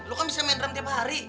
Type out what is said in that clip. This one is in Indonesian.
lo kan bisa main drum tiap hari